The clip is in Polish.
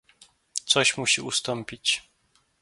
Coś musi ustąpić